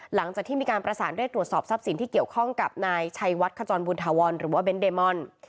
หลังจากที่มีการประสานเรียกตรวจสอบทรัพย์สินที่เกี่ยวข้องกับนายชัยวัดขจรบุญธวรหรือว่าเน้นเดมอน